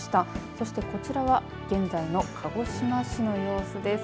そして、こちらは現在の鹿児島市の様子です。